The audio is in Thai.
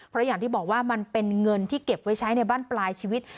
เพราะอย่างที่บอกว่ามันเป็นเงินที่เก็บไว้ใช้ในบ้านปลายชีวิต